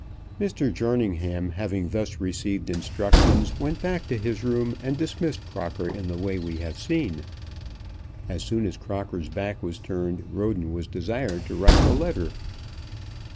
Mr. Jerningham, having thus received instructions, went back to his room and dismissed Crocker in the way we have seen. As soon as Crocker's back was turned Roden was desired to write the letter.